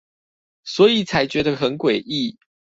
所以才覺得很詭異